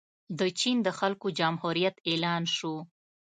د چین د خلکو جمهوریت اعلان شو.